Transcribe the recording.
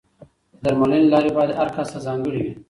د درملنې لارې باید هر کس ته ځانګړې وي.